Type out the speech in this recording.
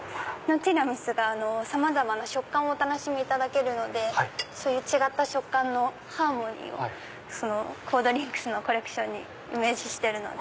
ティラミスがさまざまな食感お楽しみいただけるので違った食感のハーモニーをＣＨＯＲＤＬＩＮＫＳのコレクションにイメージしてるので。